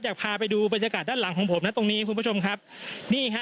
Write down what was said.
อยากพาไปดูบรรยากาศด้านหลังของผมนะตรงนี้คุณผู้ชมครับนี่ฮะ